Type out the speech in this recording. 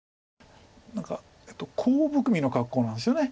何かコウ含みの格好なんですよね。